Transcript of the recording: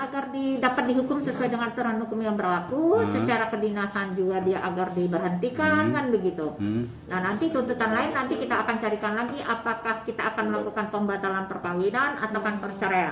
kita akan melakukan pembatalan perkahwinan atau perceraian